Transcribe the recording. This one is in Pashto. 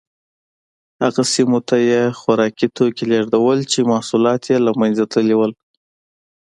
هغه سیمو ته یې خوراکي توکي لېږدول چې محصولات یې له منځه تللي وو